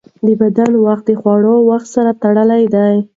د بدن ساعت د خوړو وخت سره تړلی دی.